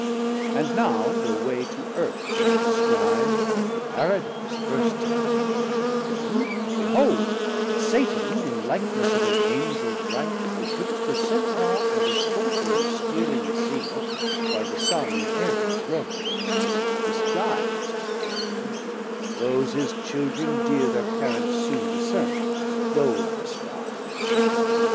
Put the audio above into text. And now thir way to Earth they had descri'd, To Paradise first tending, when behold Satan in likeness of an Angel bright Betwixt the Centaure and the Scorpion stearing His Zenith, while the Sun in Aries rose: Disguis'd he came, but those his Children dear 330 Thir Parent soon discern'd, though in disguise.